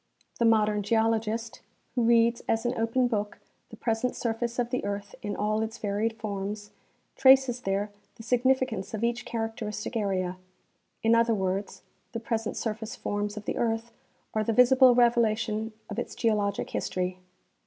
The modern geologist, wdio reads as an open book the present surface of the earth in all its varied forms, traces there the sig nificance of each characteristic area ; in other words, the present surface forms of the earth are the visible revelation of its geologic history.